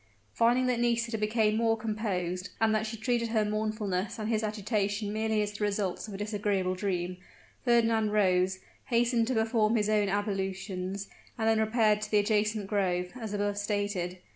Finding that Nisida became more composed, and that she treated her mournfulness and his agitation merely as the results of a disagreeable dream, Fernand rose, hastened to perform his own ablutions, and then repaired to the adjacent grove, as above stated.